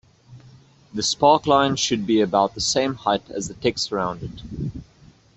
The sparkline should be about the same height as the text around it.